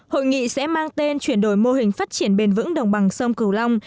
hội nghị sẽ mang tên chuyển đổi mô hình phát triển bền vững đồng bằng sông cửu long